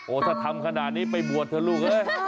โอ้ถ้าทำขนาดนี้ไปบวชเถอะลูก